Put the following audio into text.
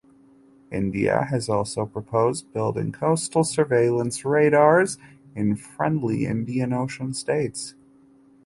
India has also proposed building coastal surveillance radars in friendly Indian Ocean states.